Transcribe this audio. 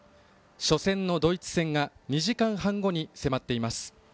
初戦のドイツ戦が２時間半後に迫っています。